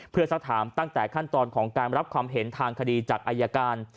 เพื่อสักถามตั้งแต่ขั้นตอนของการรับความเห็นทางคดีจากอายการ